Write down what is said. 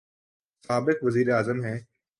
سابق وزیر اعظم ہیں۔